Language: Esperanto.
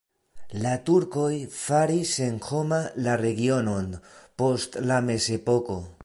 La turkoj faris senhoma la regionon post la mezepoko.